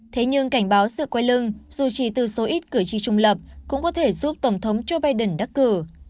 thế nhưng cảnh báo sự quay lưng dù chỉ từ số ít cử tri trung lập cũng có thể giúp tổng thống joe biden đắc cử